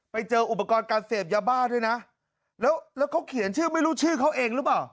ไปเจออุปกรณ์การเสพยาบ้าด้วยนะแล้วเขาเขียนชื่อไม่รู้ชื่อเขาเองหรือเปล่า